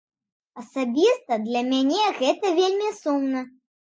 Асабіста для мяне гэта вельмі сумна.